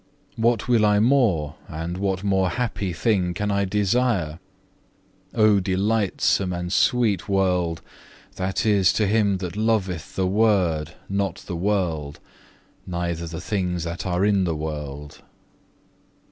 What will I more, and what more happy thing can I desire? O delightsome and sweet world! that is, to him that loveth the Word, not the world, neither the things that are in the world.